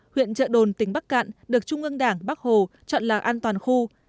huyện trợ đồn tỉnh bắc cạn được trung ương đảng bắc hồ chọn là an toàn khu